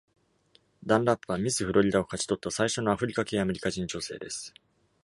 Dunlap は、ミスフロリダを勝ち取った最初のアフリカ系アメリカ人女性です・